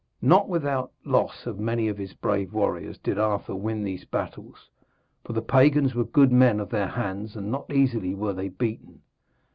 Not without loss of many of his brave warriors did Arthur win these battles, for the pagans were good men of their hands and not easily were they beaten.